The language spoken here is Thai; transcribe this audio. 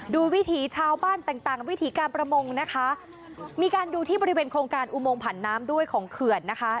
วิถีชาวบ้านต่างต่างวิถีการประมงนะคะมีการดูที่บริเวณโครงการอุโมงผันน้ำด้วยของเขื่อนนะคะ